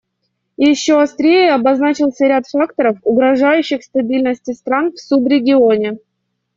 Еще острее обозначился ряд факторов, угрожающих стабильности стран в субрегионе.